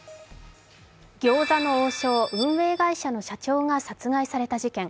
餃子の王将運営会社の社長が殺害された事件。